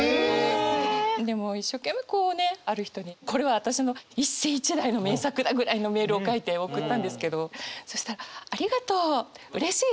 でも一生懸命こうねある人にこれは私の一世一代の名作だ！ぐらいのメールを書いて送ったんですけどそしたら「ありがとう。うれしい。